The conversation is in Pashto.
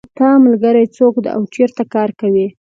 د تا ملګری څوک ده او چېرته کار کوي